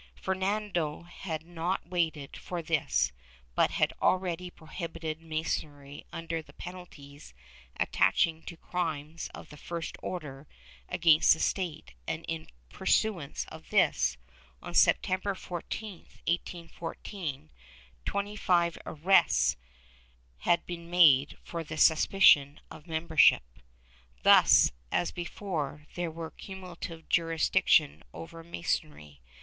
^ Fernando had not waited for this but had already prohibited Masonry under the penalties attaching to crimes of the first order against the State and, in pursuance of this, on Sep tember 14, 1814, twenty five arrests had been made for suspicion of membership.^ Thus, as before, there was cumulative jurisdiction over Masonry.